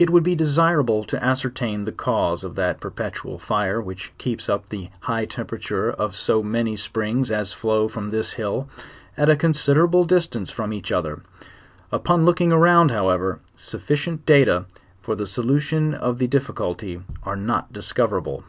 1't would be deferable to ascertain the cause of that per petual lire which keeps up the high temperature of so many springs as flow from this hill, at a considerate distance from. *?nch other: upon looking around, ho vfrevfir, sufficient data fur the solution of the difficulty are not discoverable.